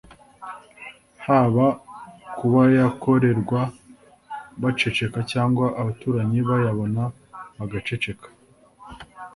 haba kubayakorerwa baceceka cyangwa abaturanyi bayabona bagaceceka